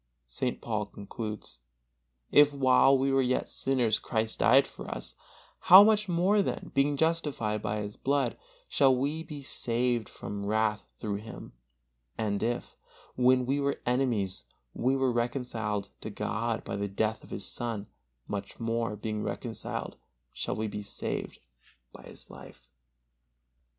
St. Paul concludes: "If while we were yet sinners Christ died for us, how much more then, being justified by His blood, shall we be saved from wrath through Him; and if, when we were enemies, we were reconciled to God by the death of His Son, much more, being reconciled, shall we be saved by His life."